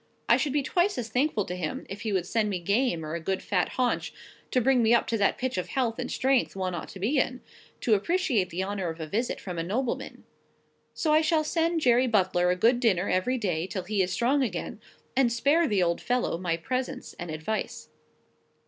I should be twice as thankful to him if he would send me game, or a good fat haunch, to bring me up to that pitch of health and strength one ought to be in, to appreciate the honour of a visit from a nobleman. So I shall send Jerry Butler a good dinner every day till he is strong again; and spare the poor old fellow my presence and advice."